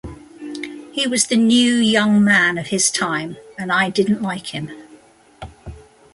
He was the New Young Man of his time and I didn't like him.